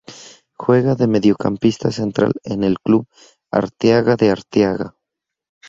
Juega de mediocampista central en el Club Arteaga de Arteaga.